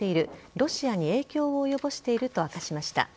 ロシアに影響を及ぼしていると明かしました。